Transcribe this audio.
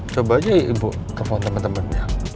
coba aja ibu telepon teman temannya